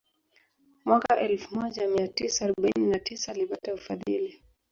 Mwaka elfu moja mia tisa arobaini na tisa alipata ufadhili